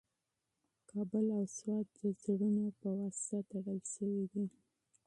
کابل او سوات د زړونو په واسطه تړل شوي دي.